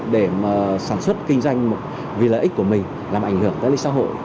để mà sản xuất kinh doanh vì lợi ích của mình làm ảnh hưởng tới xã hội